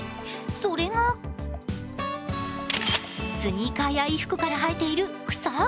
それがスニーカーや衣服から生えている草。